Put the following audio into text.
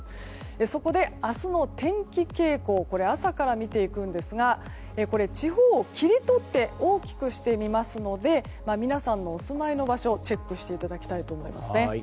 そこで、明日の天気傾向を朝から見ていくんですが地方を切り取って大きくして見ますので皆さんのお住まいの場所チェックしていただきたいと思います。